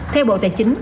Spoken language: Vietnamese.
theo bộ tài chính